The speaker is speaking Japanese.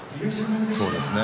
そうですね。